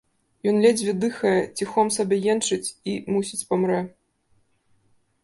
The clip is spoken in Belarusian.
Ён ледзьве дыхае, ціхом сабе енчыць і, мусіць, памрэ.